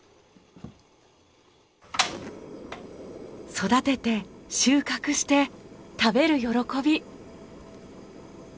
育てて収穫して食べる喜び。